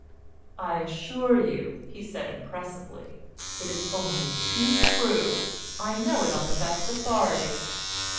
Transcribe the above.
"I assure you," he said impressively, "it is only too true. I know it on the best authority."